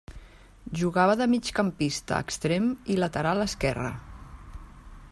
Jugava de migcampista, extrem i lateral esquerre.